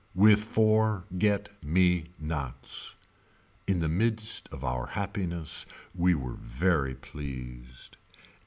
With for get me nots. In the midst of our happiness we were very pleased.